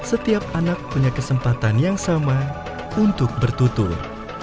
setiap anak punya kesempatan yang sama untuk bertutur